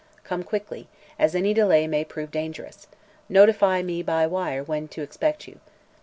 Come quickly, as any delay may prove dangerous. Notify me by wire when to expect you.